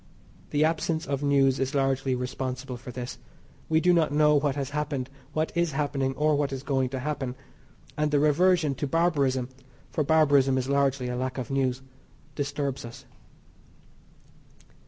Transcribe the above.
The absence of news is largely responsible for this. We do not know what has happened, what is happening, or what is going to happen, and the reversion to barbarism (for barbarism is largely a lack of news) disturbs us.